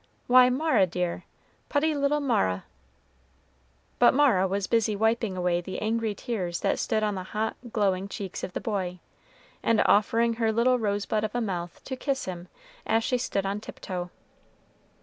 "Why, Mara dear, putty little Mara." But Mara was busy wiping away the angry tears that stood on the hot, glowing cheeks of the boy, and offering her little rosebud of a mouth to kiss him, as she stood on tiptoe.